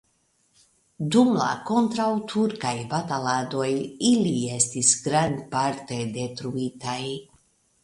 Dum la kontraŭturkaj bataladoj ili estis grandparte detruitaj.